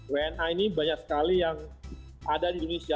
wna ini banyak sekali yang ada di indonesia